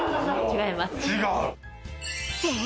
違う！